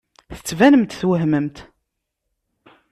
Tettbanemt twehmemt.